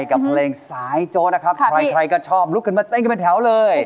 กับเพลงสายโจ๊ะนะครับใครก็ชอบลุกเกินมาเต้นกันแถวเลย